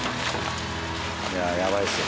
いややばいですよ。